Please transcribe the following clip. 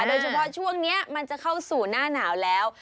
โดยเฉพาะช่วงนี้มันจะเข้าสู่หน้าหนาวแล้ว